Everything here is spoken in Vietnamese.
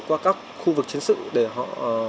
qua các khu vực chiến sự để họ